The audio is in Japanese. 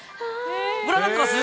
ご覧になってます？